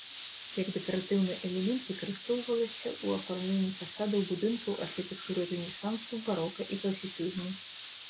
Як дэкаратыўны элемент выкарыстоўвалася ў афармленні фасадаў будынкаў архітэктуры рэнесансу, барока і класіцызму.